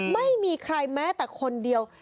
ไม่มีใครแม้แต่คนเดียว